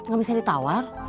gak bisa ditawar